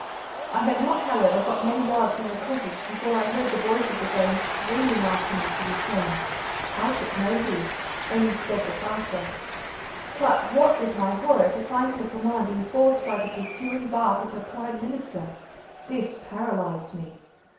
I had not, however, got many yards from the cottage before I heard the voice of the dame screaming after me to return. I took no heed only sped the faster. But what was my horror to find her command enforced by the pursuing bark of her prime minister. This paralysed me.